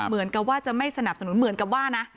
เหมือนกับว่าจะไม่สนับสนุนเหมือนกับว่านะ